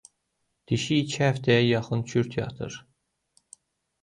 Dişi iki həftəyə yaxın kürt yatır.